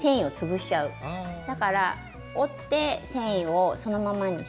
だから折って繊維をそのままにして。